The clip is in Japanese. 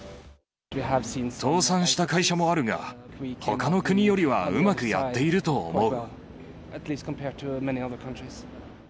倒産した会社もあるが、ほかの国よりはうまくやっていると思う。